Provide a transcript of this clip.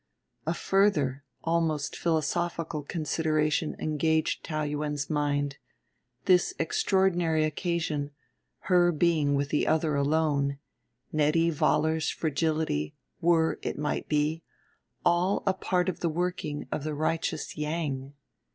A further, almost philosophical, consideration engaged Taou Yuen's mind this extraordinary occasion, her being with the other alone, Nettie Vollar's fragility, were, it might be, all a part of the working of the righteous Yang.